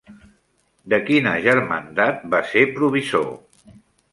De quina germandat va ser provisor?